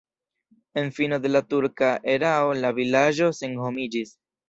En fino de la turka erao la vilaĝo senhomiĝis.